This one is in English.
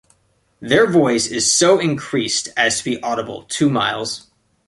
Their voice is so increased as to be audible two miles.